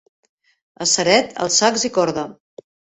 A Ceret, els sacs i corda.